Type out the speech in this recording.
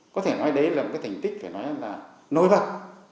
có thể nói đấy là một cái thành tích phải nói là nổi bật